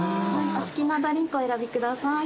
お好きなドリンクお選びください。